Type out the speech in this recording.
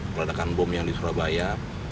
keledakan bom yang di surabaya